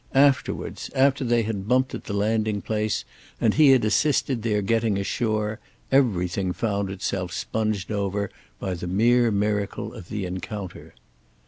Afterwards, after they had bumped at the landing place and he had assisted their getting ashore, everything found itself sponged over by the mere miracle of the encounter.